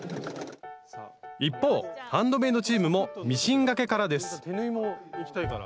一方ハンドメイドチームもミシンがけからです